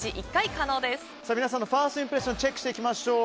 皆さんのファーストインプレッションチェックしていきましょう。